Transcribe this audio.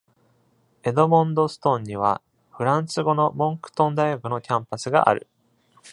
エドモンドストンには、フランス語のモンクトン大学のキャンパスがある。